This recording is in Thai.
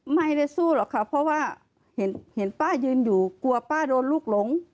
ไม่ได้สู้หรอกค่ะเพราะว่าเห็นป้ายืนอยู่กลัวป้าโดนลูกหลง